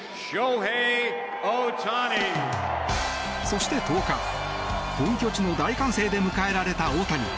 そして１０日、本拠地の大歓声で迎えられた大谷。